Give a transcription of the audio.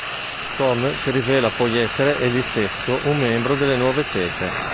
Tom si rivela poi essere egli stesso un membro delle nuove specie.